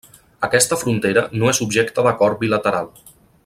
Aquesta frontera no és objecte d'acord bilateral.